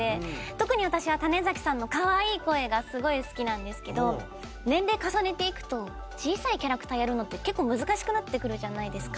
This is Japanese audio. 特に私は種さんのかわいい声がすごい好きなんですけど年齢重ねていくと小さいキャラクターやるのって結構難しくなってくるじゃないですか。